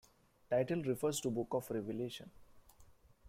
Title refers to Book of Revelation.